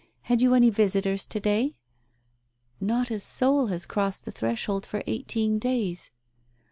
Had you any visitors to day ?" "Not a soul has crossed the threshold for eighteen days."